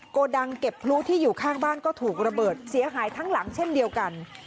โกดังเก็บพลุที่อยู่ข้างบ้านก็ถูกระเบิดเสียหายทั้งหลังเช่นเดียวกัน